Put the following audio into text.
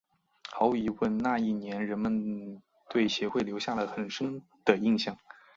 毫无疑问那一年人们对协会留下了很深的印象。